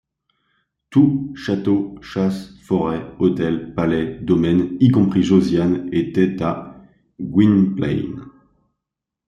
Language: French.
Tout, châteaux, chasses, forêts, hôtels, palais, domaines, y compris Josiane, était à Gwynplaine.